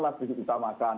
lebih kita makan